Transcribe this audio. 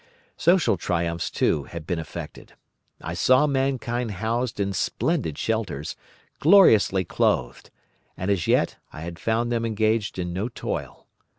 "Social triumphs, too, had been effected. I saw mankind housed in splendid shelters, gloriously clothed, and as yet I had found them engaged in no toil.